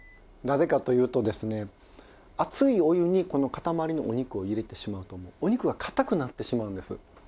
なぜかというとですね熱いお湯にこの塊のお肉を入れてしまうともうお肉が硬くなってしまうんです。